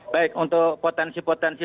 baik untuk potensi potensi